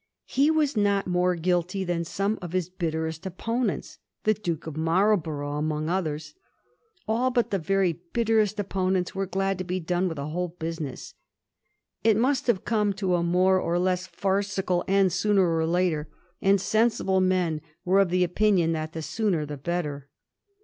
He was not more guilty than some of his bitterest opponents, the Duke of Marlborough among others. All but the very bitterest opponents were glad to be done with the whole business.' It must have come to a more or less farcical end sooner or later, and sensible men were of opinion that the sooner the better.